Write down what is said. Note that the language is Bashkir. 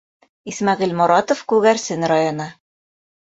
Исмәғил МОРАТОВ, Күгәрсен районы: